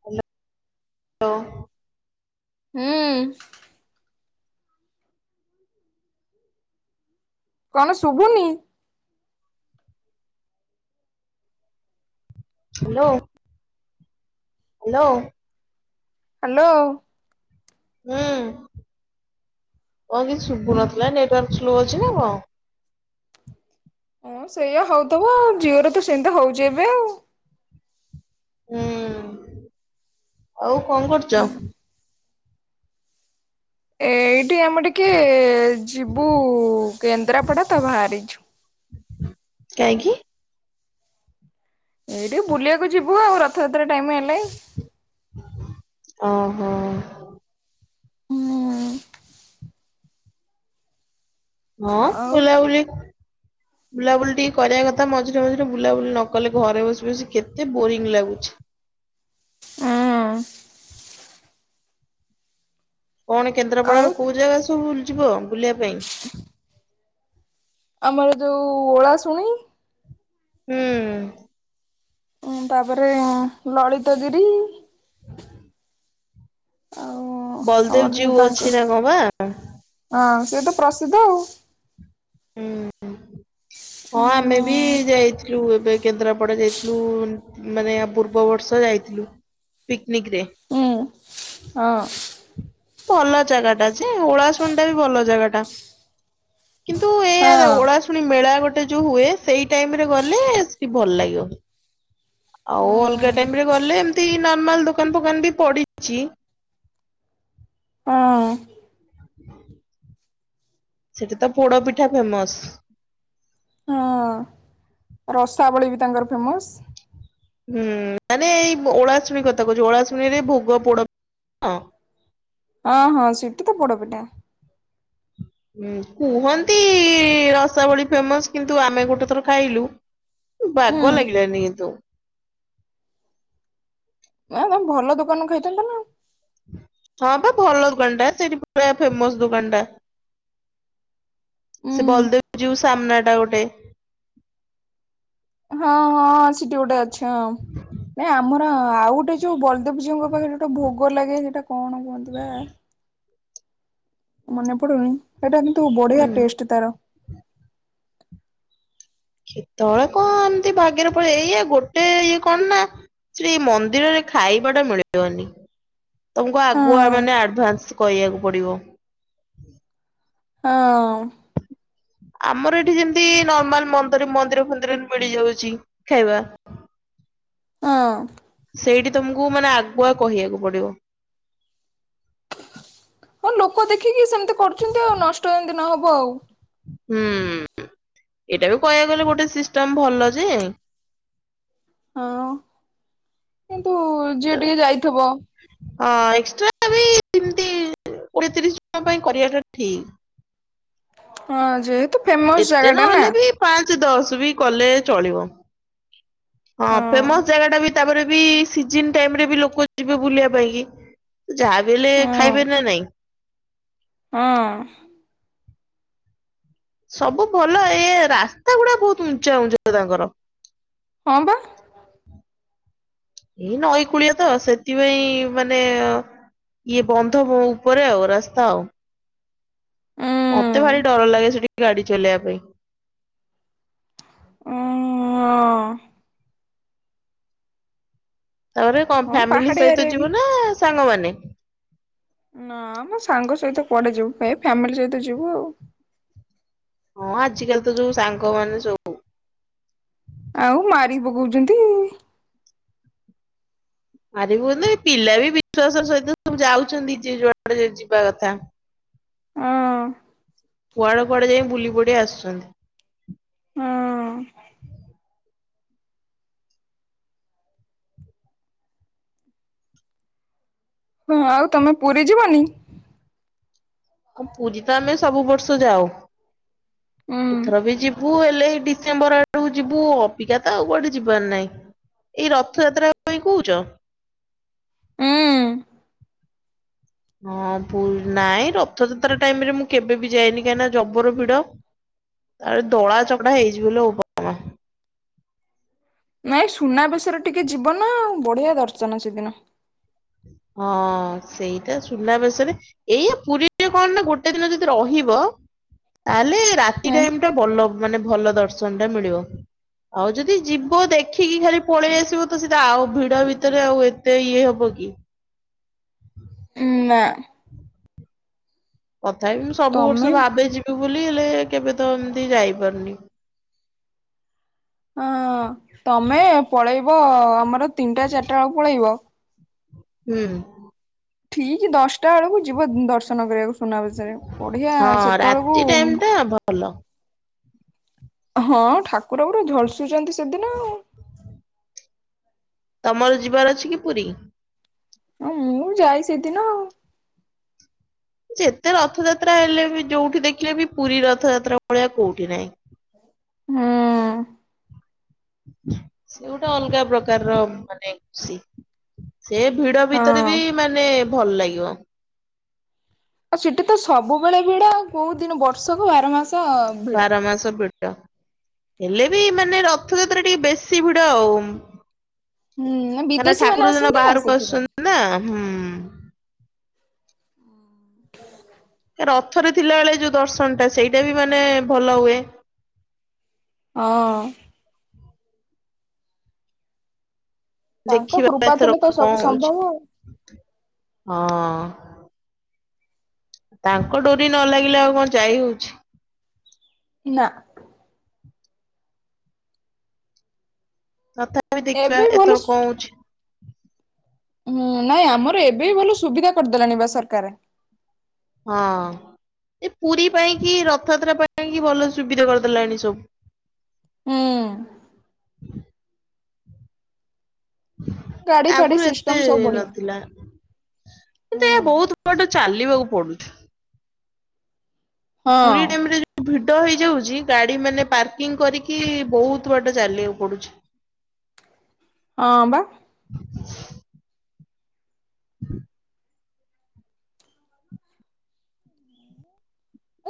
Hello. ହଁ। କଣ ଶୁଭୁନି? ହ୍ୟାଲୋ। ହ୍ୟାଲୋ। ହ୍ୟାଲୋ। ହୁ କଣ କିଛି ଶୁଭୁନ ହୁଁ। ଥିଲା ନେଟୱାର୍କ ଶ୍ଳୋ ଅଛି ନା କଣ? ହଁ ସେଇଆ ହଉଥିବ ଜିଓରେ ତ ସେମିତି ହଉଛି ଏବେ ଆଉ। ହୁଁ ଆଉ କଣ କରୁଛ? ଏଇ ଏଇ ଆମେ ଟିକେ ଯିବୁ କେନ୍ଦ୍ରାପଡା ତ ବାହାରିଛୁ। କାହିଁକି? ଏଇଠି ବୁଲିବାକୁ ଯିବୁ ଆଉ ରଥଯାତ୍ରା ଟାଇମ ହେଲେ। ହଁ। ହୁଁ। ହଁ ଆଉ ଉଁ ବୁଲାବୁଲି ବୁଲାବୁଲି ଟିକେ କରିବା କଥା ମଝିରେ ମଝିରେ ବୁଲାବୁଲି ନ କଲେ ଘରେ ବସି ବସି କେ୍ତେ ବୋରିଙ୍ଗ ଲାଗୁଛି। ହଁ। କଣ କେନ୍ଦ୍ରାପଡାର ଆଉ କୋଉ ଜାଗା ସବୁ ଯିବ ବୁଲିବା ପାଇଁ? ଆମର ଯୋଉ ଓଳା ଶୁଣି ହୁଁ। ଉଁ ତାପରେ ଲଳିତଗିରି ଆଉ ବଲଦେବ ଜିଉ ଆ ଅଛି ତାଙ୍କୁ ନା କଣ ବା? ହୁଁ ହଁ ସେତ ପ୍ରସିଦ୍ଧ ଆଉ। ହୁଁ ହଁ ଆମେ ବି ଯାଇଥିଲୁ ଏ କେନ୍ଦ୍ରାପଡା ଯାଇଥିଲୁ ମାନେ ପୂର୍ବବର୍ଷ ଯାଇଥିଲୁ। ପିକନିକରେ। ଉଁ ହଁ। ଭଲ ଜାଗା ଟା ଯେ ଉଳାସୁନ ଟା ବି ଭଲ ଜାଗା ଟା। କିନ୍ତୁ ଏଇଆ ହଁ। ଓଳାଶୁଣି ମେଳା ଗୋଟେ ଗେ ଯୋଉ ହୁଏ ସେଇ ଟାଇମ ରେ ଗଲେ ଭଲ ଲାଗିବ। ଆଉ ହୁଁ ଅଲଗା ଟାଇମରେ ଗଲେ ଏମିତି ନର୍ମାଲ ଦୋକାନ ଫୋକାନ ବି ପଡିଛି। ହଁ ସେଠି ତ ପୋଡ ପିଠା ଫେମସ। ହଁ ରସାବଳୀ ବି ତାଙ୍କର ଫେମସ୍। ହୁଁ ମାନେ ଏଇ ଓଳାଶମୀ କଥା କହୁଛ ଓଳାଶଣୀରେ ଭୋଗ ପୋଡ ହଁ ହଁ ସେଠି ତ ପୋଡ଼ ପିଠା। କୁହନ୍ତି ରସ ଭଳି ଫେମସ କିନ୍ତୁ ଆମେ ଗୋଟେ ଥର ଖାଇଲୁ ବାାଗ ଲାଗିଲାନି ଏତେ। ନା ଭଲ ଦୋକାନରୁ ଖାଇଥାନ୍ତ ନା। ହଁ ବା ଭଲ ଦୋକାନଟା ସେଇଠି ପୁରା ଫେମସ ଦୋକାନ ଟା। ହୁଁ ସେ ବଳଦେବ ଯିଉ ସାମ୍ନା ଟା ଗୋଟେ। ହଁ ହଁ ସେଠି ଗୋଟେ ଅଛି ହଁ। ନାଇଁ ଆମର ଆଉ ଗୋଟେ ଯୋଉ ବଲଦେବଜିଉଙ୍କ ପାଖରେ ଯୋଉଟା ଭୋଗ ଲାଗେ ସେଇଟା କଣ କୁହନ୍ତି ବା। ମନେ ପଡୁନି ସେଇଟା କିନ୍ତୁ ବଢିଆ ହୁଁ ଟେଷ୍ଟ ତାର। କେତେବେଳେ କଣ ଏମତି ବାାଗ୍ୟରେ ପଳେଇ ଏଇ ଗୋଟେ ଇଏ କଣ ନା ସେ ମନ୍ଦିରରେ ଖାଇବା ଟା ମିଳିବନି। ତମକୁ ହଁ ଆଗୁଆ ମାନେ ଆଡଭାନ୍ସ କହିବାକୁ ପଡିବ। ହଁ। ଆମର ଏଠି ଯେମିତି ନର୍ମାଲ ମନ୍ଦର ମନ୍ଦିର ଫନ୍ଦିର ମିଳିଯାଉଛି ଖାଇବା। ହଁ। ସେଇଠି ତମକୁ ମାନେ ଆଗୁଆ କହିବାକୁ ପଡିବ। ହଁ ଲୋକ ଦେଖିକି ସେମିତି କରୁଛନ୍ତି ଆଉ ନଷ୍ଟ ଏମିତି ନହବ ଆଉ। ହୁଁ। ଏଇଟା ବି କହିବାକୁ ଗଲେ ଗୋଟେ ସିଷ୍ଟଷ୍ଟେମ ଭଲ ଯେ। ହଁ କିନ୍ତୁ ଝିଏ ଟିକେ ଯାଇଥିବ ହଁ ଏକ୍ସଟ୍ରା ବିମତି କୋଡିଏ ତିରିଶ ଟଙ୍କା ପାଇଁ କରିବାଟା ହଁ ଯେହେତୁ ଠିକ। ଫେମସ ଏତେ ଜାଗା ଟା ନହେଲେ ନା। ବି ପାଞ୍ଚ ଦଶ ବି କଲେ ଚଳିବ। ହଁ ଫେମସ ଜାଗା ଟା ବି ତାପରେ ବି ସିଜନ୍ ଟାଇମରେ ବି ଲୋକ ଯିବେ ବୁଲିବା ପାଇଁ କି। ଯାହା ବ ହେଲେ ହଁ ଖାଇବେ ନା ନାଇଁ। ହଁ। ସବୁ ଭଲ ଏ ରାସ୍ତା ଗୁଡା ବହୁତ ଉଚା ଉଞ୍ଚ ତାଙ୍କର। ହଁ ବା। ଏଇ ନଈ କୂଳିଆ ତ ସେଥିପାଇଁ ମାନେ ଇଏ ବନ୍ଧ ଉପରେ ଆଉ ରାସ୍ତା ଆଉ। ମତେ ଉଁ ଭାରି ଡର ଲାଗେ ସେଠିକି ଗାଡି ଚଲେଇବା ପାଇଁ। ହଁ। ତାପରେ କଣ ହଁ ଫ୍ୟାମିଲି ପାହାଡିଆ ସହିତ ଏରିଆ ବି ଯିବ ନା ସାଙ୍ଗମାନେ? ନା ମ ସାଙ୍ଗ ସହିତ କୁଆଡେ ଯିବୁ ଏଇ ଫ୍ୟାମିଲି ସହିତ ଯିବୁ ଆଉ। ହଁ ଆଜିିକାଲି ତ ଯୋଉ ସାଙ୍ଗ ମାନେ ସବୁ ଆଉ ମାରି ପକଉଚନ୍ତି। ମାରିବୁନି ପିଲା ବି ବିଶ୍ଵାସ ସହିତ ସବୁ ଯାଉଛନ୍ତି ଯିଏ ଯୁଆଡେ ଯିବା କଥା। କୁଆଡେ କୁଆଡେ ଯାଇ ବୁଲି ପଡି ହଁ। ଆସୁଛନ୍ତି। ହଁ ଆଉ ତମେ ପୁରୀ ଯିବନି? ହଁ ପୁରୀ ତ ଆମେ ସବୁ ବର୍ଷ ଯାଉ, ଉଁ ଏଥର ବି ଯିବୁ ହେଲେ ଡିସେମ୍ବର ଆଡକୁ ଯିବୁ ଅବିକା ତ ଆଉ କୁଆଡେ ଯିବାର ନାଇଁ। ଏଇ ରଥଯାତ୍ରା ପାଇଁ କହୁଚ? ଉମ୍ ହଁ ପୁର୍ ନାଇଁ ରଥଯାତ୍ରା ଟାଇମ ରେ ମୁଁ କେବେ ବି ଯାଇନି କାଇଁନା ଜବର ଭିଡ। ତାପରେ ଦଳା ଚକଡା ହେଇଯିବ ଲୋ ବୋପାମା। ନାଇଁ ସୁନାବେଶରେ ଟିକେ ଯିବ ନା ଆଉ ବଢିଆ ଦର୍ଶନ ସେଦିନ। ହଁ ସେଇଟା ସୁନାବେଶରେ ଏଇଆ ପୁରୀରେ କଣ ନା ଗୋଟେ ଦିନ ଯଦି ରହିବ ତାହେଲେ ରାତି ଉଁ ଟାଇମ ଟା ଭଲ ମାନେ ଭଲ ଦର୍ଶନ ଟା ମିଳିବ। ଆଉ ଯଦି ଯିବ ଦେଖିକି ଖାଲି ପଳେଇ ଆସିବ ତ ସେଟା ଆଉ ଭିଡ ଭିତରେ ଆଉ ଏତେ ଇଏ ହବ କି? ଉମ୍ ନା। ତଥାପି ମୁଁ ସବୁ ତମେ ବର୍ଷ ଭାବେ ଯିବି ବୋଲି ହେଲେ କେବେ ତ ଏମତି ଯାଇପାରୁନି। ହଁ ହଁ ତମେ ପଳେଇବ ଆମର ତିନିଟା ଚାରିଟା ବେଳକୁ ପଳେଇବ ହୁଁ। ଠିକ୍ ଦଶ ଟା ବେଳକୁ ଯିବ ଦର୍ଶନ କରିବାକୁ ସୁନାବେଶରେ ବଢିଆ ହଁ ସେତବେଳକୁ ରାତି ଟାଇମ ଟା ଭଲ। ହଁ ଠାକୁର ପୁରା ଝଲସୁଚନ୍ତି ସେଦିନ ଆଉ। ତମର ଯିବାର ଅଛି କି ପୁରୀ? ହଁ ମୁଁ ଯାଏ ସେଇଦିନ ଆଉ। ଯେତେ ରଥଯାତ୍ରା ହେଲେ ବି ଯୋଉଠି ଦେଖିଲେ ବି ପୁରୀ ରଥଯାତ୍ରା ଭଳିଆ କୋଉଠି ନାହିଁ। ହୁଁ। ସେ ଗୋଟେ ଅଲଗା ପ୍ରକାରର ମାନେ ଖୁସି। ସେ ଭିଡ ହଁ ଭିତରେ ବି ମାନେ ଭଲ ଲାଗିବ। ଆଉ ସିଟି ତ ସବୁବେଳେ ଭିଡ ଆଉ। କୋଉ ଦିନ ବର୍ଷକୁ ବାର ମାସ ଭିଡ ବାର ମାସ ଭିଡ଼। ହେଲେ ବି ମାନେ ରଥଯାତ୍ରା ଟିକେ ବେଶୀ ଭିଡ ଆଉ। ହୁଁ କାଇଁନା ବିଦେଶୀ ମାନେ ଠାକୁର ସେଦିନ ଆସନ୍ତି ନା ବାହାରକୁ ସେଥିପାଇଁ ଆସୁଛନ୍ତି ନା ହୁଁ। ରଥରେ ଥିଲାବେଳେ ଯୋଉ ଦର୍ଶନ ଟା ସେଇଟା ବି ମାନେ ଭଲ ହୁଏ। ହଁ। ତାଙ୍କ ଦେଖିବା କୃପା ଏଥର ଥିଲେ ତ କଣ ସବୁ ସମ୍ଭବ ହଉଛି? ଆଉ ହଁ। ତାଙ୍କ ଡୋରି ନ ଲାଗିଲେ ଆଉ କଣ ଯାଇ ହଉଛି? ନା। ତଥାପି ଦେଖିବା ଏବେ ଭଲ ଏଥର କଣ ହଉଛି? ହୁଁ ନାଇଁ ଆମର ଏବେ ବି ଭଲ ସୁବିଧା କରିଦେଲାଣି ବା ସରକାର। ହଁ। ଏ ପୁରୀ ପାଇଁ କି ରଥଯାତ୍ରା ପାଇଁ କି ଭଲ ସୁବିଧା କରିଦେଲାଣି ସବୁ ହୁଁ। ଗାଡି ଫାଡି ଆଗରୁ ଏତେ ସିଷ୍ଟମ ସବୁ ବଢିଆ ନଥିଲା କିନ୍ତୁ ଏହା ହୁଁ ବହୁତ ବଡ ଚାଲିବାକୁ ପଡୁଛି। ପୁରୀ ହଁ ଟାଇମ ରେ ଯୋଉ ଭିଡ ହେଇ ଯାଉଛି ଗାଡି ମାନେ ପାର୍କିଂ କରିକି ବହୁତ ବାଟ ଚାଲିବାକୁ ପଡୁଛି। ହଁ ବା।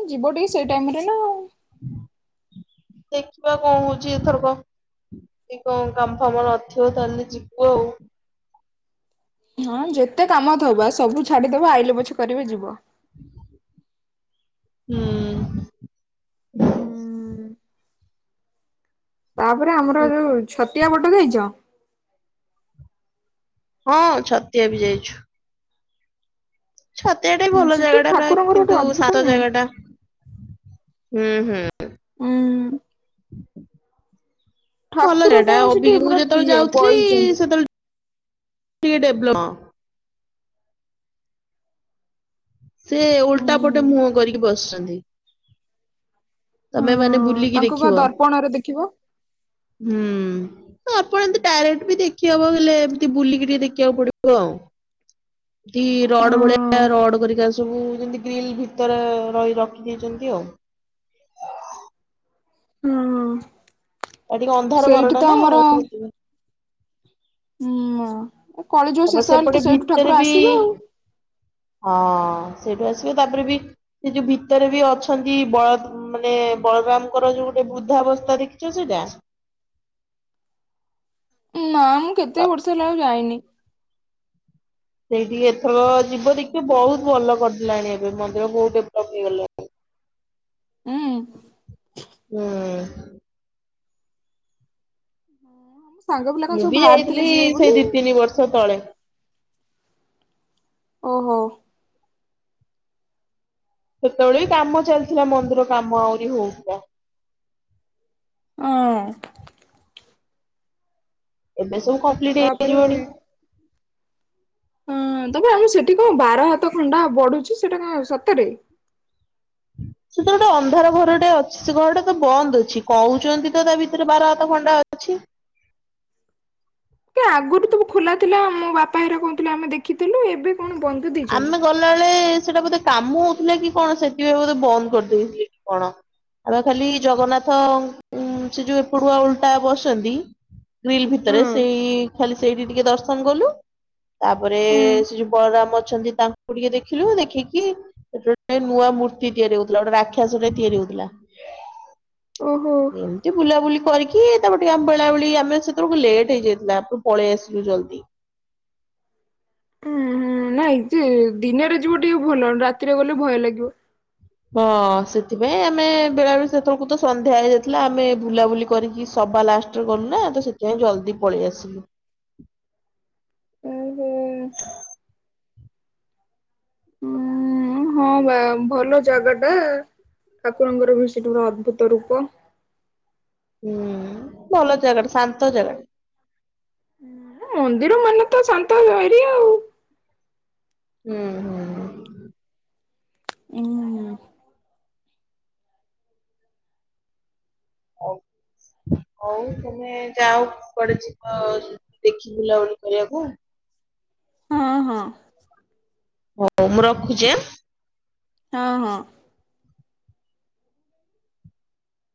ଏ ଯିବ ଟିକେ ସେଇ ଟାଇମରେ ନା ଆଉ। ଦେଖିବା କଣ ହଉଛି ଏଥରକ। ଟି କଣ କାମ୍ ଫାମ୍ ନଥିବ ତାହେଲେ ଯିବୁ ଆଉ। ହଁ ଯେତେ କାମ ଥାଉ ବା ସବୁ ଛାଡିଦବ ଆଇଲେ ପଛେ କରିବ ଯିବ। ହୁଁ। ହୁଁ ତାପରେ ଆମର ଯୋଉ ଛତିଆ ଵଟ ଯାଇଚ? ହଁ ଛତିଆ ବି ଯାଇଛୁ। ଛତିଆଟା ବି ଭଲ ସେଠି ଜାଗାଟା ପ୍ରାଏ ଠାକୁରଙ୍କର ଗୋଟେ କିନ୍ତୁ ଅଦ୍ଭୁତ ସାତ ନୁହଁ ଜାଗା ଟା ହୁଁ ହୁଁ। ହୁଁ। [inaudible] ଭଲ ଜାଗା ଟା କଣ ସେଠି ଅବିକି ମୁଁ ପୁରା ଯେତେବେଳେ ଠିଏ ଯାଉଥିଲି ବଇଛନ୍ତି। ସେତେବେଳେ ଟିକେ ଡେବ ହଁ। ସେ ଉଁ ଓଲଟା ପଟେ ମୁହଁ କରିକି ବସିଛନ୍ତି। ହଁ ତମେ ମାନେ ବୁଲିକି ତାଙ୍କୁ ବା ଦେଖିବ ଦର୍ପଣରେ ଦେଖିବ ହୁଁ। ଆପଣ ଏମିତି ଡାଇରେକ୍ଟ ବି ଦେଖି ହବ ହେଲେ ଏମିତି ବୁଲିକି ଟିକେ ଦେଖିବାକୁ ପଡିବ ଆଉ। ଏମତି ଅଁ ରଡ ଭଳିଆ ରଡ କରିକା ସବୁ ଯେମତି ଗ୍ରିଲ ଭିତରେ ରହି ରଖି ଦେଇଛନ୍ତି ଆଉ। ହୁଁ। ଆଉ ଟିକେ ଅନ୍ଧାର ଘର ସେଇଠି ଟା ତ ନା ସେଇଥି ପାଇଁ। ହୁଁ ମ କଳି ଯୁଗ ତାପରେ ଶେଷ ହେଲେ ସେପଟେ ତ ସେଇଠୁ ଭିତରେ ଠାକୁର ବି ଆସିବେ ଆଉ। ହଁ ସେଇଠୁ ଆସିବ ତାପରେ ବି ସେ ଯୋଉ ଭିତରେ ବି ଅଛନ୍ତି ବଳ ମାନେ ବଳରାମଙ୍କର ଯୋଉ ଗୋଟେ ବୃଦ୍ଧାବସ୍ଥା ଦେଖିଛ ସେଇଟା? ନା ମୁଁ କେତେ ବର୍ଷ ହେଲା ଆଉ ଯାଇନି। ସେଇଠିକି ଏଥର ଯିବ ଦେଖିବ ବହୁତ ଭଲ କରିଦଲାଣି ଏବେ ମନ୍ଦିର ବୋହୁତ ଡେଭଲପ ହେଇଗଲାଣି। [inaudible] ଉଁ ହୁଁ। ସାଙ୍ଗ ପିଲା କଣ ମୁଁ ସବୁ ବି ବାହାରି ଥିଲେ ଯାଇଥିଲି ଯିବେ ସେଇ ବୋଲି ଦି ତିନି ବର୍ଷ ତଳେ। ଓହୋ। ସେତେବେଳେ ବି କାମ ଚାଲିଥିଲା ମନ୍ଦିର କାମ ଆହୁରି ହଉଥିଲା। ଅଁ। ଏବେ ସବୁ କମ୍ପ୍ଲିଟ ହେଇ ତାପରେ ଯିବଣି। ହଁ ତପରେ ଆମ ସେଠି କଣ ବାର ହାତ ଖଣ୍ଡା ବଢୁଛି ସେଟା କଣ ସତରେ? ସେଥିରେ ଗୋଟେ ଅନ୍ଧାର ଘରଟେ ଅଛି। ସେ ଘରଟା ତ ବନ୍ଦ ଅଛି। କହୁଛନ୍ତି ତ ତା ଭିତରେ ବାର ହାତ ଖଣ୍ଡା ଣ୍ଡା ଅଛି। କାଇଁ ଆଗରୁ ସବୁ ଖୋଲା ଥିଲା ମୋ ବାପା ହେରା କହୁଥିଲା ଆମେ ଦେଖି ଆମେ ଗଲାବେଳେ ସେଟା ବୋଧେ କାମ ହଉଥିଲା କି କଣ? ସେଥିପାଇଁ ବୋଧେ ବନ୍ଦ କରିଦେଇଥିଲେ କି କଣ? ଆମେ ଖାଲି ଜଗନ୍ନାଥ ଉଁ ସେ ଯୋଉ ଏପଟୁଆ ଓଲଟା ବସନ୍ତି ଗ୍ରିଲ ହଁ ଭିତରେ ସେଇ ଖାଲି ସେଇଠି ଟିକେ ଦର୍ଶନ କଲୁ ତାପରେ ହଁ ସେ ଯଉ ବଳରାମ ଅଛନ୍ତି ତାଙ୍କୁ ଟିକେ ଦେଖିଲୁ ଦେଖିକି ଗୋଟେ ନୂଆ ମୂର୍ତ୍ତି ତିଆରି ହଉଥିଲା ଗୋଟେ ରାକ୍ଷସ ତିଆରି ହଉଥିଲା ଓହୋ ଏମିତି ବୁଲାବୁଲି କରିକି ଟିକେ ଆମ ବେଳାବେଳି ଆମେ ସେତେବେଳକୁ ଲେଟ୍ ହେଇଯାଇଥିଲା ଆପଣ ପଳେଇ ଆସିଲୁ ଜଲ୍ଦି। ହୁଁ ହୁଁ ନାଇଁ ଦିନରେ ଯିବ ଟିକେ ଭଲ ରାତିରେ ଗଲେ ଭୟ ଲାଗିବ। ହଁ ସେଥିପାଇଁ ଆମେ ବେଳାବେଳି ସେତେବେଳକୁ ତ ସନ୍ଧ୍ୟା ହେଇଯାଇଥିଲା ଆମେ ବୁଲାବୁଲି କରିକି ସବା ଲାଷ୍ଟରେ ଗଲୁନା ତ ସେଥିପାଇଁ ଜଲଦି ପଳେଇ ଆସିଲୁ। [inaudible] ଓହୋ ଉଁ ହଁ ବା ଭଲ ଜାଗା ଟା। ଠାକୁରଙ୍କର ବି ସେଠି ଗୋଟେ ଅଦ୍ଭୁତ ରୂପ। ହୁଁ ଭଲ ଜାଗାଟ ଶାନ୍ତ ଜାଗା। ମନ୍ଦିର ମାନେ ତ ଶାନ୍ତ ଭାରି ଆଉ। ହୁଁ ହୁଁ। ହୁଁ। ହଉ। ହଉ ତମେ ଯାଅ କୁଆଡେ ଯିବ ଦେଖି ବୁଲାବୁଲି କରିବାକୁ ଆ ହଁ ହଁ। ହଉ ମୁଁ ରଖୁଛି। ହଁ ହଁ।